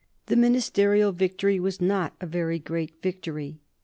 The ministerial victory was not a very great victory.